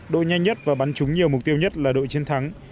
đội nhanh nhất và bắn trúng nhiều mục tiêu nhất là đội chiến thắng